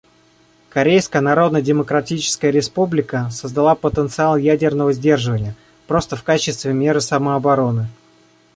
Корейская Народно-Демократическая Республика создала потенциал ядерного сдерживания, просто в качестве меры самообороны.